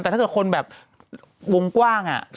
แต่ถ้าเกิดคนแบบวงกว้าง